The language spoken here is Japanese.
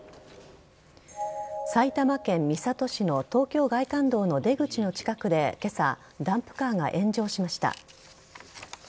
埼玉県三郷市の東京外環道の出口の近くで、けさ、ダンプカーが炎上しました。